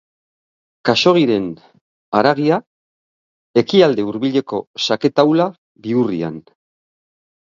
Khaxoggiren haragia Ekialde Hurbileko xake taula bihurrian.